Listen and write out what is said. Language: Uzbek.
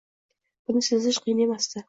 Buni sezish qiyin emasdi